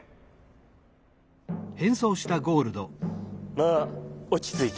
まあおちついて。